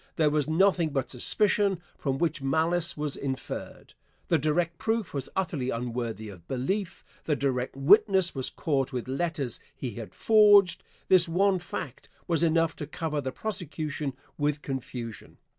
There was nothing but suspicion, from which malice was inferred. The direct proof was utterly unworthy of belief. The direct witness was caught with letters he had forged. This one fact was enough to cover the prosecution with confusion.